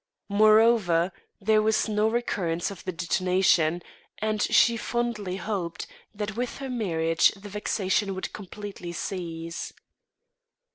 Moreover, there was no recurrence of the detonation, and she fondly hoped that with her marriage the vexation would completely cease.